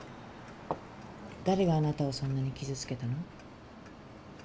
誰があなたをそんなに傷つけたの？